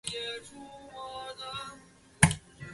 现为香港古物古迹办事处考古学家。